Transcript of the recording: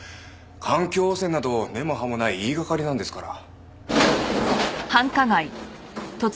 環境汚染など根も葉もない言いがかりなんですから。